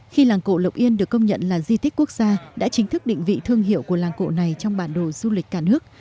khi làng cổ lộc yên được công nhận là di tích quốc gia đã chính thức định vị thương hiệu của làng cổ này trong bản đồ du lịch cả nước